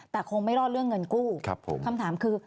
แต่คงไม่รอดเรื่องเงินกู้คำถามคือ